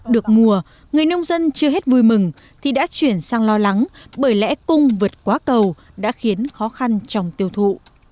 được mùa người nông dân chưa hết vui mừng thì đã chuyển sang lo lắng bởi lẽ cung vượt quá cầu đã khiến khó khăn trong tiêu thụ